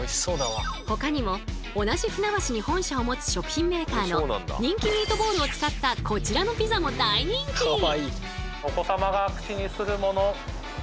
ほかにも同じ船橋に本社を持つ食品メーカーの人気ミートボールを使ったこちらのピザも大人気！